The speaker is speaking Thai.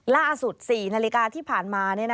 ล่าสุด๔นาฬิกาที่ผ่านมา